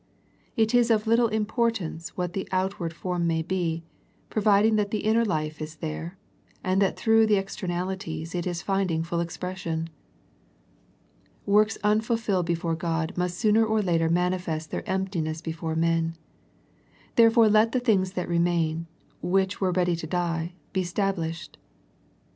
It is of little importance what the out ward form may be, providing that the inner life is there, and that through the externalities it is finding full expression. Works unfulfilled before God must sooner or later manifest their emptiness before men. Therefore let the things that remain, which were ready to die be stablished.